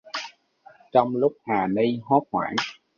Trong lúc hà ni hốt hoảng